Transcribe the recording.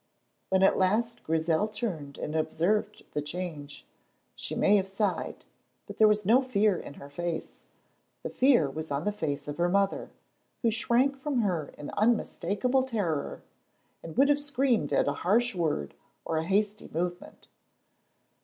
When at last Grizel turned and observed the change, she may have sighed, but there was no fear in her face; the fear was on the face of her mother, who shrank from her in unmistakable terror and would have screamed at a harsh word or a hasty movement.